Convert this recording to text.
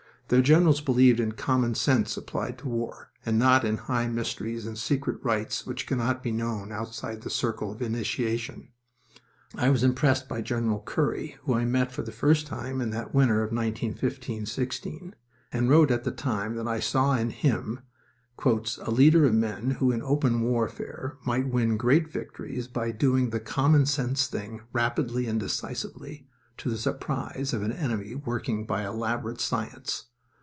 Their generals believed in common sense applied to war, and not in high mysteries and secret rites which cannot be known outside the circle of initiation. I was impressed by General Currie, whom I met for the first time in that winter of 1915 16, and wrote at the time that I saw in him "a leader of men who in open warfare might win great victories by doing the common sense thing rapidly and decisively, to the surprise of an enemy working by elaborate science.